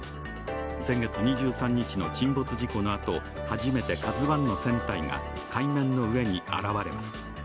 先月２３日の沈没事故のあと初めて「ＫＡＺＵⅠ」の船体が海面の上に現れます。